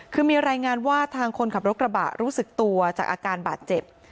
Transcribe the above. คือมีรายงานว่าทางคนขับรถกระบะรู้สึกตัวจากอาการบาดเจ็บ